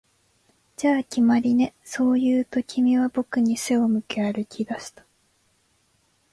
「じゃあ、決まりね」、そう言うと、君は僕に背を向け歩き出した